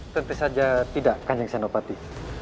tentu saja tidak kanjeng senopati